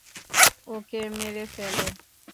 ওকে মেরে ফেলো।